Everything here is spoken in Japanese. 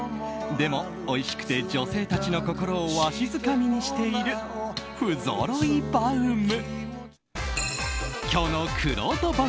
でもおいしくて女性たちの心をわしづかみにしている続いては「ポップＵＰ！」